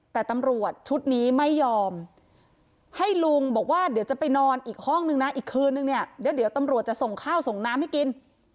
แต่ตำรวจชุดนี้ไม่ยอมให้ลุงบอกว่าเดี๋ยวจะไปนอนอีกห้องนึงนะอีกคืนนึงเนี่ยเดี๋ยวตำรวจจะส่งข้าวส่งน้ำให้กิน